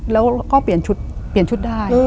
แล้วก็เปลี่ยนชุดเปลี่ยนชุดได้